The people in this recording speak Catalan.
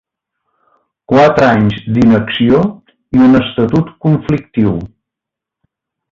Quatre anys d’inacció i un estatut conflictiu.